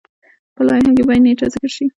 په لایحه کې باید نیټه ذکر شي.